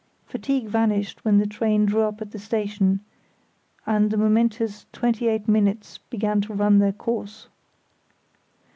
Fatigue vanished when the train drew up at the station, and the momentous twenty eight minutes began to run their course.